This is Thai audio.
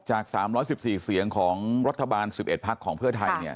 จาก๓๑๔เสียงของรัฐบาล๑๑พักของเพื่อไทย